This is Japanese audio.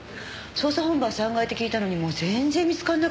捜査本部は３階って聞いたのにもう全然見つからなくって。